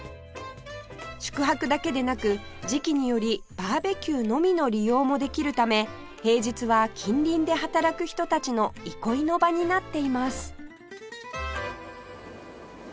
宿泊だけでなく時期によりバーベキューのみの利用もできるため平日は近隣で働く人たちの憩いの場になっています